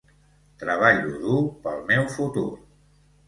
Treballo dur pel meu futur.